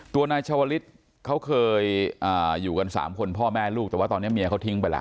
ตัวนายชาวลิศเขาเคยอยู่กัน๓คนพ่อแม่ลูกแต่ว่าตอนนี้เมียเขาทิ้งไปแล้ว